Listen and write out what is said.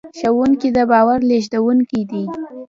ښوونکي د باور لېږدونکي دي.